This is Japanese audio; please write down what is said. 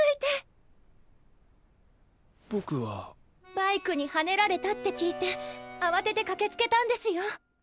バイクにはねられたって聞いてあわててかけつけたんですよ。